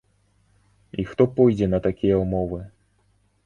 І хто пойдзе на такія ўмовы?